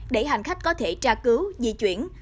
để hành khách có thể tra cứu di chuyển